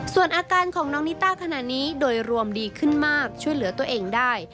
ส่วนอาการของน้องนิต้าขณะนี้โดยรวมดีขึ้นมากช่วยเหลือตัวเองได้